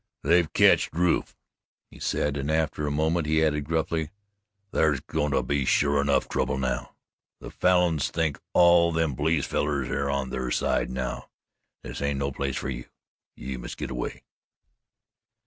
"They've ketched Rufe," he said, and after a moment he added gruffly: "Thar's goin' to be sure enough trouble now. The Falins'll think all them police fellers air on their side now. This ain't no place fer you you must git away."